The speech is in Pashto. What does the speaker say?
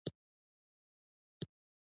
د مازی متل وایي مچان هم غوږونه لري.